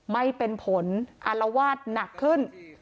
ไม่เป็นผลอารวาสหนักขึ้น